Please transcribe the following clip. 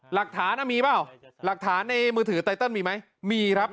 หลักฐานมีเปล่าหลักฐานในมือถือไตเติลมีไหมมีครับ